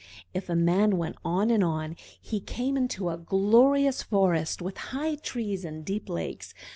If a man went on and on, he came into a glorious forest with high trees and deep lakes.